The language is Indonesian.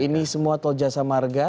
ini semua tol jasa marga